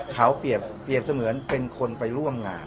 เขาเปรียบเสมือนเป็นคนไปร่วมงาน